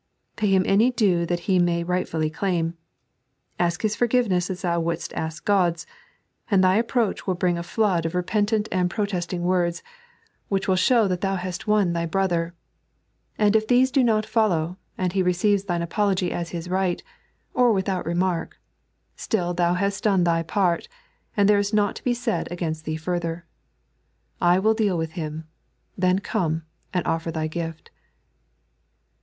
Pay him any due that he may rightfully claim. Ask his forgiveness as thou wouldst ask Ood's, and thy approach will bring a flood of repentant 3.n.iized by Google Truest Music. 59 and protesting worde, which will show that thou hast won thy brother. And if these do not follow, and he receives thine apology as his right, or without remarlc, still thou hast done thy part, and there is nought to be said against thee further, I will deal with him — then come, and offer thy gift."